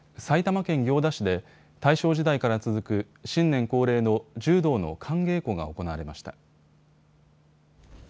埼玉県行田市で大正時代から続く新年恒例の柔道の寒稽古が行われました。